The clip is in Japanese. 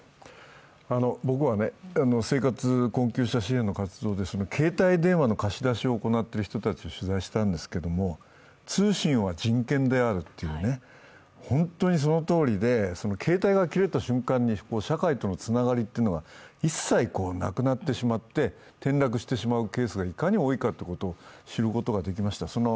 僕は生活困窮者支援の活動で携帯電話の貸し出しを行っている人たちを取材したんですけど通信は人権であるという、本当にそのとおりで、携帯が切れた瞬間に社会とのつながりというのは一切なくなってしまって転落してしまうケースがいかに多いかを知ることができました。